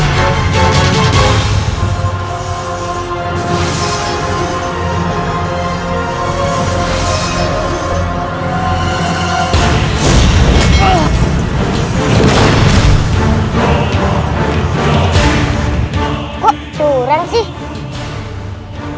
kok curang sih